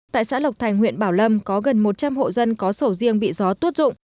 tại xã lộc thành huyện bảo lâm có gần một trăm linh hộ dân có sầu riêng bị gió tuốt dụng